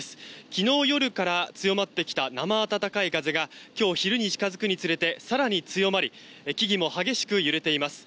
昨日夜から強まってきた生暖かい風が今日昼に近付くにつれて更に強まり木々も激しく揺れています。